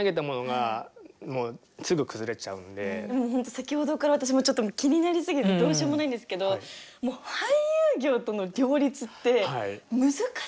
先ほどから私も気になり過ぎてどうしようもないんですけどもう俳優業との両立って難しくないんですか？